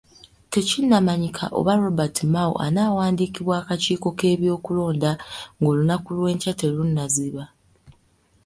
Tekinnamanyika oba Nobert Mao anaawandiikibwa akakiiko k'ebyokulonda ng'olunaku lw'enkya terunnaziba.